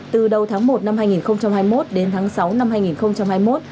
từ đầu tháng một năm hai nghìn hai mươi một đến tháng sáu năm hai nghìn hai mươi một